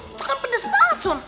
itu kan pedes banget son